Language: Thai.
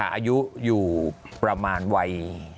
อายุอยู่ประมาณวัย